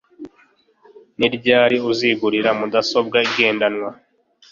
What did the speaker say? Ni ryari uzigurira mudasobwa igendanwa